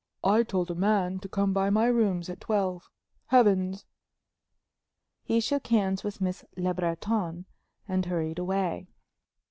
"I told a man to come to my rooms at twelve. Heavens!" He shook hands with Miss Le Breton and hurried away.